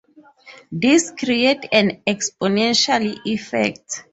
This creates an exponential effect.